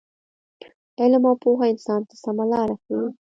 علم او پوهه انسان ته سمه لاره ښیي.